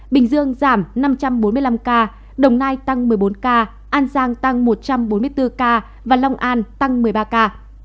bình dương giảm năm trăm bốn mươi năm ca đồng nai tăng một mươi bốn ca an giang tăng một trăm bốn mươi bốn ca và long an tăng một mươi ba ca